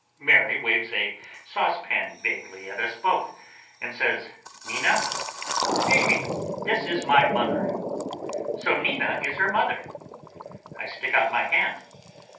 Mary waves a saucepan vaguely at us both and says, "Nina—Davey—this is my mother." So Nina is her mother. I stick out my hand.